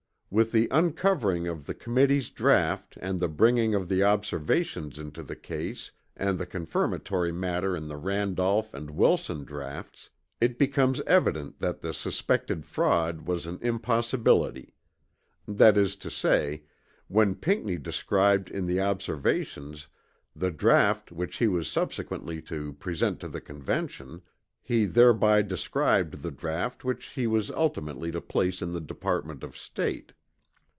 With the uncovering of the Committee's draught and the bringing of the Observations into the case and the confirmatory matter in the Randolph and Wilson draughts, it becomes evident that the suspected fraud was an impossibility. That is to say, when Pinckney described in the Observations the draught which he was subsequently to present to the Convention he thereby described the draught which he was ultimately to place in the Department of State.